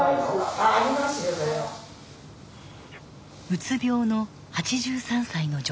うつ病の８３歳の女性。